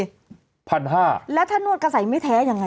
๑๕๐๐นิตยาแล้วถ้านวดกระส่ายไม่แท้อย่างไร